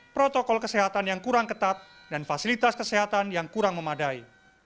protokol kesehatan yang kurang ketat dan fasilitas kesehatan yang kurang memadai